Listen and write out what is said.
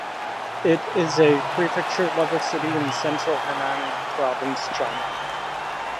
It is a prefecture-level city in central Henan province, China.